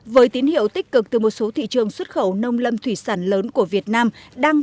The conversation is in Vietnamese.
với tín hiệu tích cực từ một số thị trường xuất khẩu nông lâm thủy sản lớn của việt nam đang